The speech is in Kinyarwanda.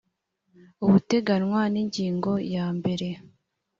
ubuteganywa n ingingo ya mbere